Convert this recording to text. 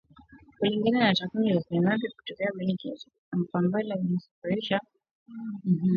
Kulingana na takwimu za Januari kutoka Benki Kuu ya Uganda, Kampala inasafirisha kwenda Kongo bidhaa za thamani ya dola milioni sabini